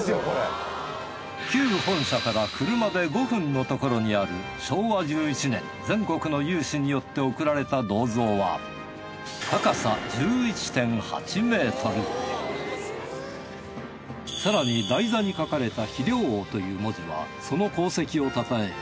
旧本社から車で５分のところにある昭和１１年全国の有志によって贈られた銅像は更に台座に書かれた「肥料王」という文字はその功績をたたえ